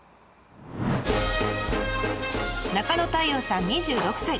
中野太陽さん２６歳。